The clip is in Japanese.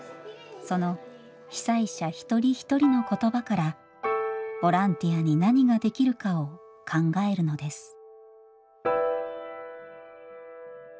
その被災者一人一人の言葉からボランティアに何ができるかを考えるのです。